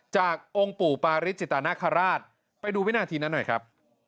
จากองค์ปู่ปาริสจิตนาคาราชไปดูวินาทีนั้นหน่อยครับ